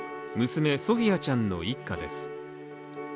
娘・ソフィアちゃんの一家です。